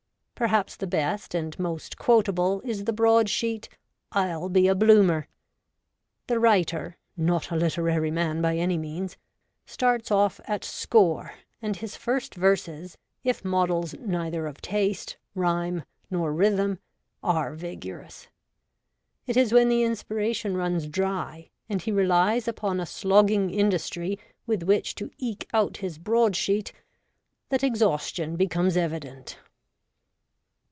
Perhaps the best and most quotable is the broad sheet, /'// be a Bloomer. The writer, not a literary man by any means, starts off at score, and his first verses, if models neither of taste, rhyme, nor rhythm, are vigorous. It is when the inspiration runs dry, and he relies upon a slogging industry with which to eke out his broad sheet, that exhaustion becomes evident.